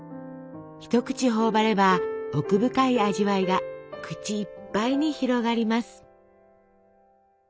一口頬張れば奥深い味わいが口いっぱいに広がります。